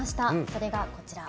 それがこちら。